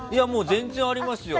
全然ありますよ。